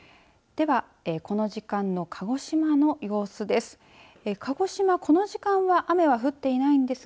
では、この時間の鹿児島の様子です。